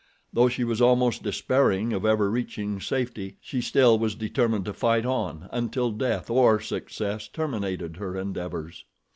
Though she was almost despairing of ever reaching safety she still was determined to fight on, until death or success terminated her endeavors.